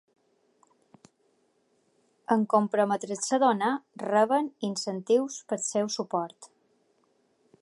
En comprometre's a donar, reben incentius pel seu suport.